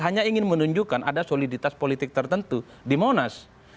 hanya ingin menunjukkan ada soliditas politik tertentu di monas